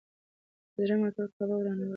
د زړه ماتول کعبه ورانول دي.